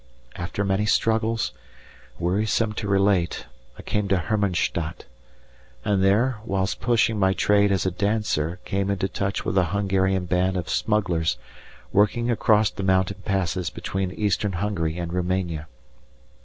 After many struggles, wearisome to relate, I came to Hermanstadt, and there, whilst pushing my trade as a dancer, came into touch with a Hungarian band of smugglers, working across the mountain passes between Eastern Hungary and Roumania.